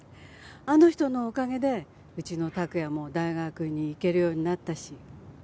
あの人のおかげでうちの託也も大学に行けるようになったし。